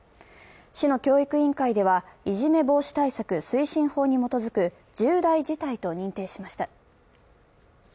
市の教育委員会ではいじめ防止対策推進法に基づく重大事態と認定しました。